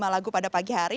lima lagu pada pagi hari